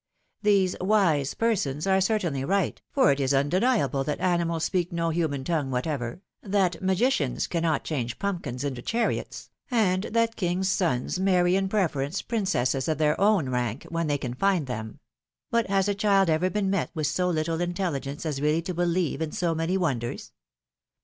These wise persons are certainly right, for it is undeniable that animals speak no human tongue whatever, that magicians cannot change pumpkins into chariots, and that kings' sons marry in preference princesses of their own rank when they can find them ; but has a child ever been met with so little intelligence as really to believe in so many wonders?